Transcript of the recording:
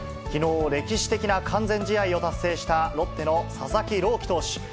きのう、歴史的な完全試合を達成したロッテの佐々木朗希投手。